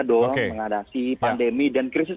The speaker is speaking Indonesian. dong mengadasi pandemi dan krisis